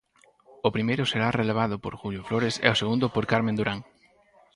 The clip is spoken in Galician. O primeiro será relevado por Julio Flores e o segundo por Carmen Durán.